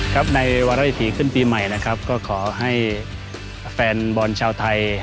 ครับในวาระวิถีขึ้นปีใหม่นะครับก็ขอให้แฟนบอลชาวไทย